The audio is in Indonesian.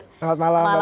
selamat malam mbak putri